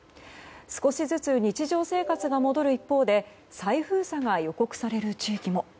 少しずつ日常生活が戻る一方で再封鎖が予告される地域も。